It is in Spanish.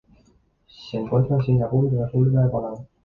Se encuentra en Singapur y República de Palau.